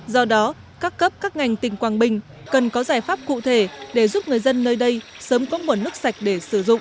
do đó các cấp các ngành tỉnh quảng bình cần có giải pháp cụ thể để giúp người dân nơi đây sớm có nguồn nước sạch để sử dụng